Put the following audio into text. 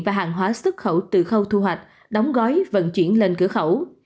và hàng hóa xuất khẩu từ khâu thu hoạch đóng gói vận chuyển lên cửa khẩu